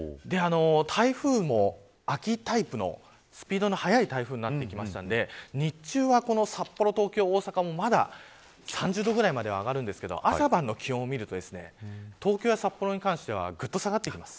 台風も秋タイプのスピードの速い台風になってきたので日中は札幌、東京、大阪もまだ３０度ぐらいまでは上がるんですが朝晩の気温を見ると東京や札幌に関してはぐっと下がってきます。